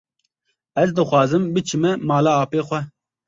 Ez dixwazim biçime mala apê xwe.